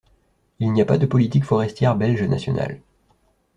Il n'y a pas de politique forestière belge nationale.